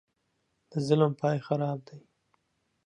د ظلم پاى خراب دى.